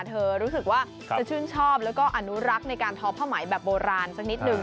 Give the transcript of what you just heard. รู้สึกว่าจะชื่นชอบแล้วก็อนุรักษ์ในการทอผ้าไหมแบบโบราณสักนิดนึง